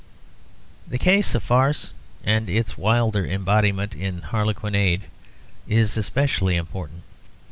The case of farce, and its wilder embodiment in harlequinade, is especially important.